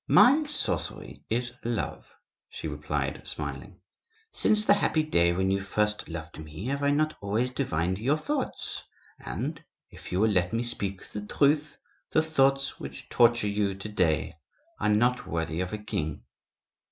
"My sorcery is love," she replied, smiling. "Since the happy day when you first loved me, have I not always divined your thoughts? And—if you will let me speak the truth—the thoughts which torture you to day are not worthy of a king."